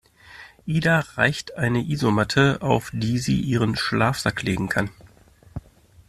Ida reicht eine Isomatte, auf die sie ihren Schlafsack legen kann.